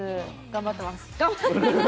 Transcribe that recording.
頑張ってます。